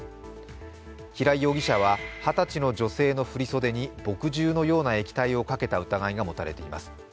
平井容疑者は、二十歳の女性の振り袖に墨汁のような液体をかけた疑いが持たれています。